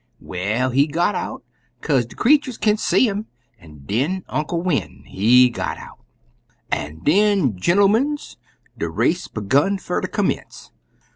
Well, he got out, kaze de creeturs kin see 'im, an' den Uncle Win', he got out. "An' den, gentermens! de race begun fer ter commence.